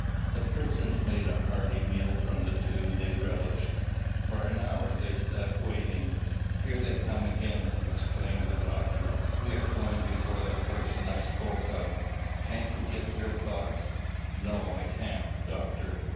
The prisoners made a hearty meal from the two they relished. For an hour they sat waiting. "Here they come again!" exclaimed the doctor. "We are going before the person I spoke of. Can't you get their thoughts?" "No, I can't, Doctor.